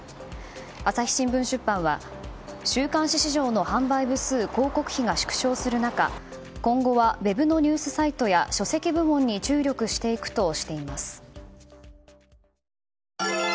朝日新聞出版は週刊誌市場の販売部数・広告費が縮小する中今後はウェブのニュースサイトや書籍部門に注力していくとしています。